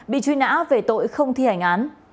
bị truy nã về tội không thi hành án